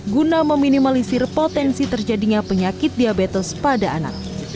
guna meminimalisir potensi terjadinya penyakit diabetes pada anak